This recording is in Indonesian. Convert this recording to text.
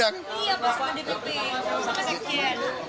iya pak sudah diundang